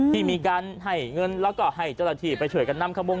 ที่มีการให้เงินแล้วก็ให้เจ้าหน้าที่ไปช่วยกันนำขบง